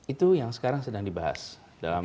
itu yang sekarang sedang dibahas dalam